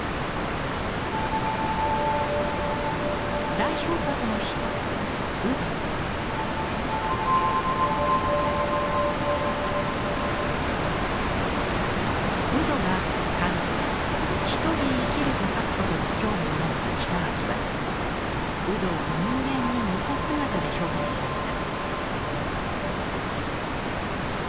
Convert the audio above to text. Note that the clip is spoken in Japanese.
代表作の一つ独活が漢字で「独り活きる」と書くことに興味を持った北脇は独活を人間に似た姿で表現しました。